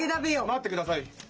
待ってください。